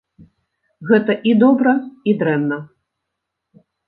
Гэта і добра, і дрэнна.